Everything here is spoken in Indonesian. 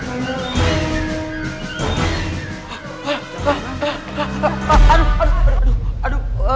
aduh aduh aduh aduh